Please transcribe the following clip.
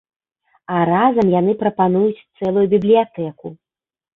А разам яны прапануюць цэлую бібліятэку.